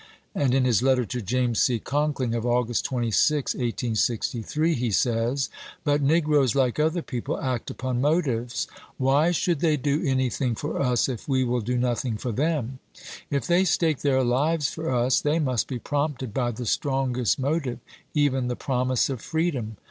And in his letter to James C. Conk ling of August 26, 1863, he says :" But negroes, like other people, act upon motives. Why should they do anything for us if we will do nothing for them? If they stake their lives for us, they must be prompted by the strongest motive, even the promise of freedom.